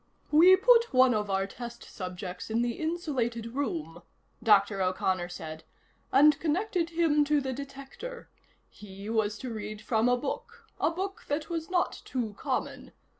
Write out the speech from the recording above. "We put one of our test subjects in the insulated room," Dr. O'Connor said, "and connected him to the detector. He was to read from a book a book that was not too common.